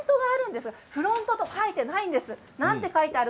でもフロントと書いていないんです。